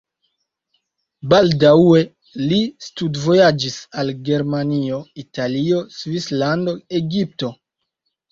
Baldaŭe li studvojaĝis al Germanio, Italio, Svislando, Egipto.